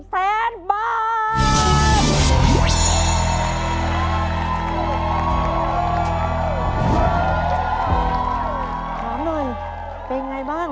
แตกล้าง